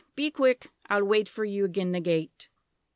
be quick I'll wait for yer agen the gate.